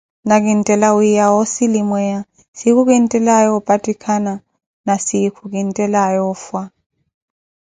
Na ki neettela wiiya wa osalimweya, siikhu kinttelaaye opattikana na siikho kintellaya oofwa.